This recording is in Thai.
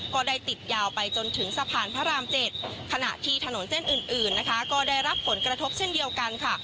ก็ได้ติดยาวไปจนถึงสะพานพระราม๗ขณะที่ถนนเส้นอื่นนะคะก็ได้รับผลกระทบเช่นเดียวกันค่ะ